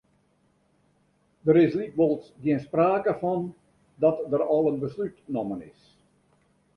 Der is lykwols gjin sprake fan dat der al in beslút nommen is.